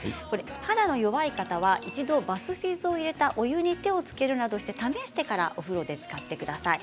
肌の弱い方は一度、バスフィズを入れたお湯に手をつけるなどして試してからお風呂で使ってください。